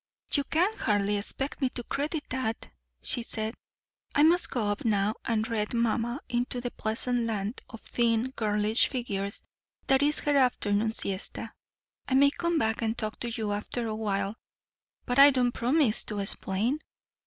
"You can hardly expect me to credit that," she said. "I must go up now and read mamma into the pleasant land of thin girlish figures that is her afternoon siesta. I may come back and talk to you after a while, but I don't promise to explain."